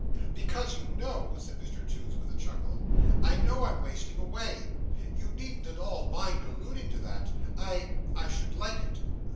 "Because you know," said Mr Toots with a chuckle, "I know I'm wasting away. You needn't at all mind alluding to that. I—I should like it.